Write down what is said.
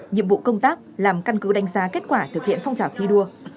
nhiệm vụ công tác làm căn cứ đánh giá kết quả thực hiện phong trào thi đua